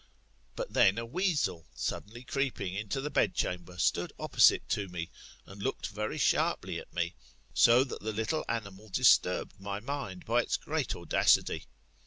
But then a weasel, suddenly creeping into the bedchamber, stood opposite to me, and looked very sharply at me, so that the little animal disturbed my mind by its great audacity.